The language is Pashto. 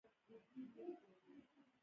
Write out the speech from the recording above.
ډیپلوماسي نړیوال بازار ته د لاسرسي وسیله ده.